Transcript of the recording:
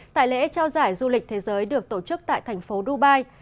tại lễ trao giải du lịch thế giới được tổ chức tại thành phố dubai